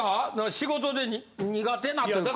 仕事で苦手なというか。